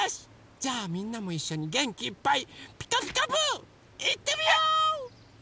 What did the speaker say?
じゃあみんなもいっしょにげんきいっぱい「ピカピカブ！」いってみよう！